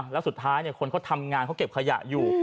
แล้วสุดท้ายคนเขาทำงานเขาเก็บขยะอยู่